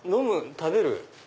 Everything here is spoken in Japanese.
食べる？